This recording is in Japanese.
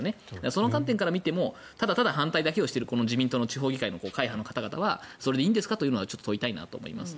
その観点から見てもただただ反対している自民党の地方議会の会派の方々はそれでいいんですかというのは問いたいと思います。